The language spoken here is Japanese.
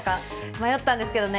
迷ったんですけどね。